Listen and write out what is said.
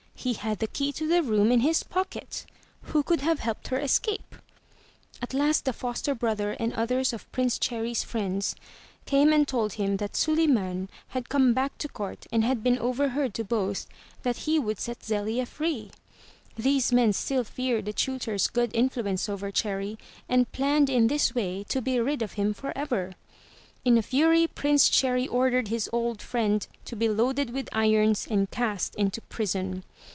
He had the key to the room in his pocket! Who could have helped her escape? At last the foster brother and others of Prince Cherry's friends came and told him that Suliman had come back to court and been overheard to boast that he would set Zelia free. These men still feared the tutor's good influence over Cherry, and planned in this way to be rid of him forever. In a fury, Prince Cherry ordered his old friend to be loaded with irons and cast into prison.